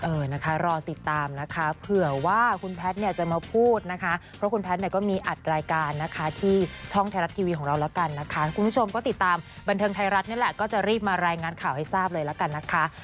เออนะคะรอติดตามนะคะเผื่อว่าคุณแพทย์เนี่ยจะมาพูดนะคะเพราะคุณแพทย์เนี่ยก็มีอัดรายการนะคะที่ช่องไทยรัฐทีวีของเราแล้วกันนะคะคุณผู้ชมก็ติดตามบันเทิงไทยรัฐนี่แหละก็จะรีบมารายงานข่าวให้ทราบเลยละกันนะคะ